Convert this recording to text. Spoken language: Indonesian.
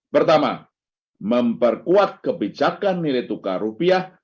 pertama memperkuat kebijakan nilai tukar rupiah